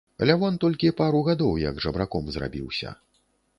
Лявон толькі пару гадоў як жабраком зрабіўся.